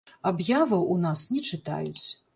Аб'яваў у нас не чытаюць.